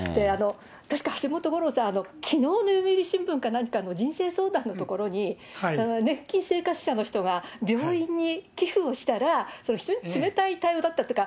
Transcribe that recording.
確か、橋本五郎さん、きのうの読売新聞か何かの人生相談のところに、年金生活者の人が病院に寄付をしたら、非常に冷たい対応だったとか。